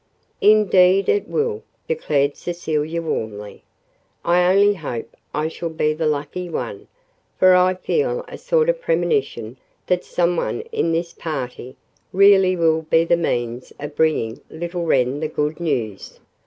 "Indeed, it will," declared Cecilia warmly. "I only hope I shall be the lucky one for I feel a sort of premonition that some one in this party really will be the means of bringing little Wren the good news.